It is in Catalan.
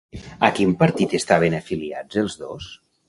A quin partit estaven afiliats els dos?